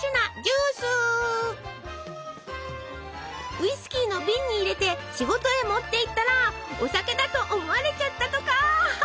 ウイスキーの瓶に入れて仕事へ持っていったらお酒だと思われちゃったとか！